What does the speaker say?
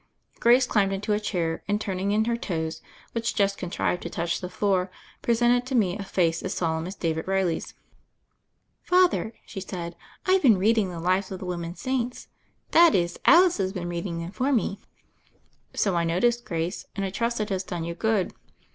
Grace climbed into a chair, and turning in her toes, which just contrived to touch the floor, g resented to me a face as solemn as David [eiUy's. "Father," she said, "I've been reading the THE FAIRY OF THE SNOWS 149 lives of the women saints — ^that is, Alice has been reading them for me." ^*So I noticed, Grace, and I trust it has done you good."